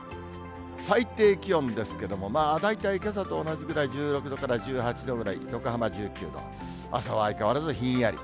最低気温ですけども、大体けさと同じぐらい１６度から１８度ぐらい、横浜１９度、朝は相変わらずひんやり。